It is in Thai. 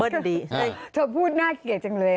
เธอพูดน่าเกลียดจังเลย